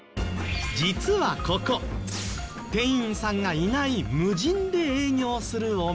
実はここ店員さんがいない無人で営業するお店。